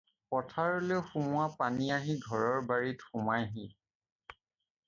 পথাৰলৈ সোমোৱা পানী আহি ঘৰৰ বাৰীত সোমায়হি।